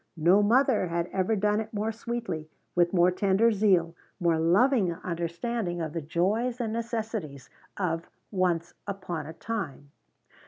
No mother had ever done it more sweetly, with more tender zeal, more loving understanding of the joys and necessities of Once upon a Time.